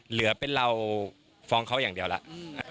เหลือเป็นเราฟ้องเขาอย่างเดียวแล้ว